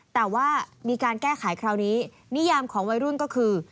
แต่ว่ามีการแก้ไขคราวนี้นิยามของวัยรุ่นก็คือ